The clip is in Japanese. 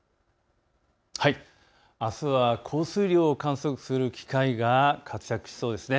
あすは降水量を観測する機械が活躍しそうですね。